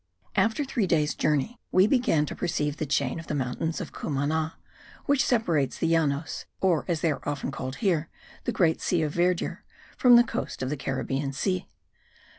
After three days' journey we began to perceive the chain of the mountains of Cumana, which separates the Llanos, or, as they are often called here, the great sea of verdure,* from the coast of the Caribbean Sea.